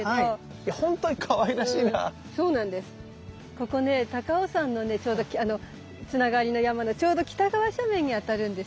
ここね高尾山のねつながりの山のちょうど北側斜面にあたるんですよ。